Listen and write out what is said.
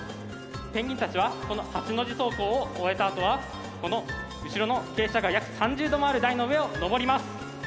ペンギンたちはこの８の字走行を終えた後はこの後ろの傾斜が約３０度もある台の上を上ります。